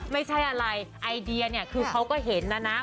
ไม่ใช่อะไรไอเดียเนี่ยคือเขาก็เห็นนะนะ